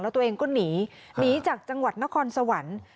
แล้วตัวเองก็หนีหนีจากจังหวัดนครสวรรค์